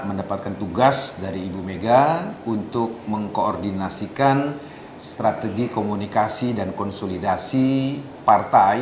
mendapatkan tugas dari ibu mega untuk mengkoordinasikan strategi komunikasi dan konsolidasi partai